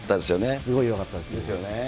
すごいよかったですね。